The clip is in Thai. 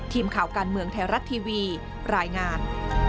ทีมข่าวการเมืองไทยรัฐทีวีรายงาน